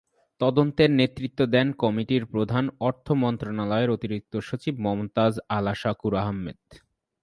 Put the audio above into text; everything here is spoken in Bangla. তদন্তের নেতৃত্ব দেন কমিটির প্রধান অর্থ মন্ত্রণালয়ের অতিরিক্ত সচিব মমতাজ আলা শাকুর আহমেদ।